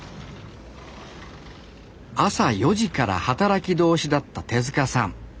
朝４時から働き通しだった手さん。